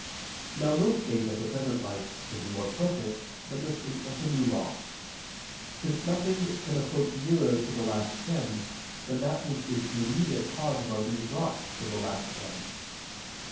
Now no state of the present life can be more perfect that the state of the New Law: since nothing can approach nearer to the last end than that which is the immediate cause of our being brought to the last end.